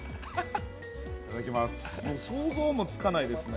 想像もつかないですね。